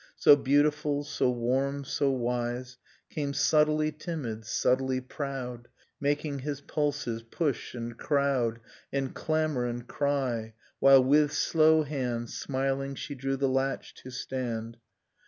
So beautiful, so warm, so wise. Came subtly timid, subtly proud, Making his pulses push and crowd And clamor and cry, while with slow hand, Smiling, she drew the latch, to stand.